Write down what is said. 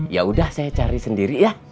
yaudah saya cari sendiri ya